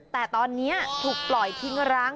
แต่ตอนนี้ถูกปล่อยทิ้งร้าง